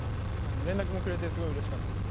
連絡もくれてすごいうれしかったですし。